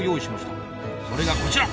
それがこちら！